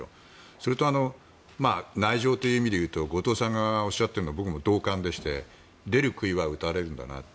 それと、内情という意味でいうと後藤さんがおっしゃっているのに僕も同感でして出る杭は打たれるんだなって。